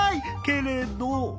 けれど。